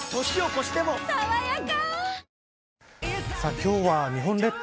今日は日本列島